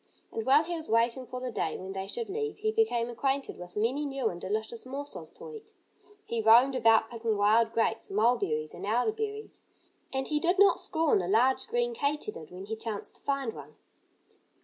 And while he was waiting for the day when they should leave he became acquainted with many new and delicious morsels to eat. He roamed about picking wild grapes, mulberries and elderberries. And he did not scorn a large, green katydid when he chanced to find one.